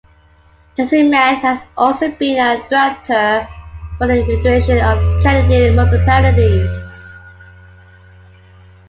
Jessiman has also been a director for the Federation of Canadian Municipalities.